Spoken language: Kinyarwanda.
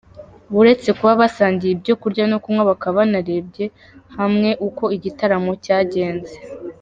Buretse kuba basangiye ibyo kurya no kunwa, bakaba banarebeye hamwe uko igitaramo cyagenze.